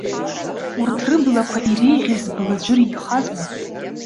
Урҭ рыблақәа иреиӷьыз бла ӡәыр ихазма?!